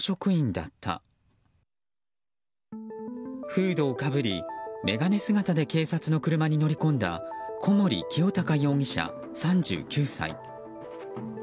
フードをかぶり眼鏡姿で警察の車に乗り込んだ小守陽貴容疑者、３９歳。